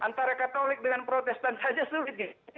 antara katolik dengan protestan saja sulit